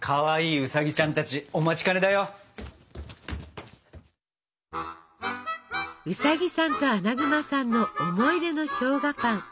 ウサギさんとアナグマさんの思い出のしょうがパン！